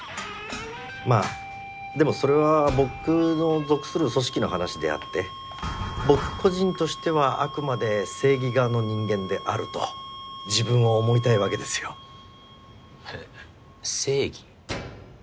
まあでもそれは僕の属する組織の話であって僕個人としてはあくまで正義側の人間であると自分を思いたいわけですよ。えっ正義？